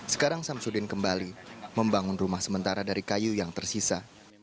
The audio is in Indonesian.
sekarang samsudin kembali membangun rumah sementara dari kayu yang tersisa